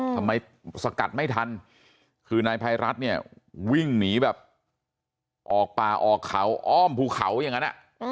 สกัดไม่ทันคือนายภัยรัฐเนี่ยวิ่งหนีแบบออกป่าออกเขาอ้อมภูเขาอย่างนั้น